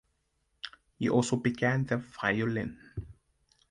He also began the violin.